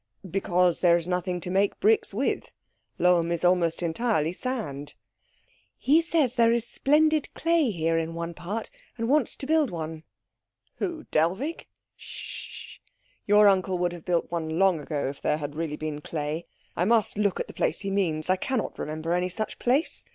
"Because there is nothing to make bricks with. Lohm is almost entirely sand." "He says there is splendid clay here in one part, and wants to build one." "Who? Dellwig?" "Sh sh." "Your uncle would have built one long ago if there really had been clay. I must look at the place he means. I cannot remember any such place.